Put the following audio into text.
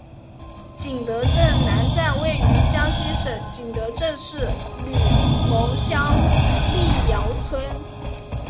景德镇南站位于江西省景德镇市吕蒙乡历尧村。